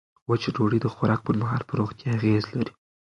وچه ډوډۍ د خوراک پر مهال پر روغتیا اغېز لري.